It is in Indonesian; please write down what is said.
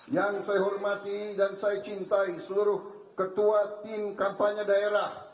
yang saya hormati dan saya cintai seluruh ketua tim kampanye daerah